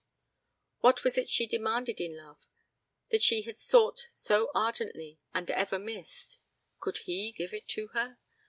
What was it she demanded in love, that she had sought so ardently and ever missed? Could he give it to her?